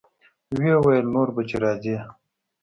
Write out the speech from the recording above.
ويې ويل نور به چې راځې.